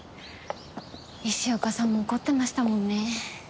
石岡さんも怒ってましたもんね。